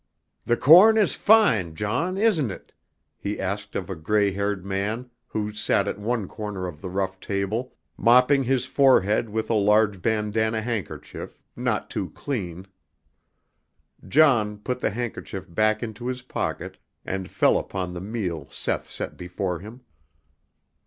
"The corn is fine, John, isn't it?" he asked of a gray haired man who sat at one corner of the rough table, mopping his forehead with a large bandana handkerchief, not too clean. John put the handkerchief back into his pocket and fell upon the meal Seth set before him.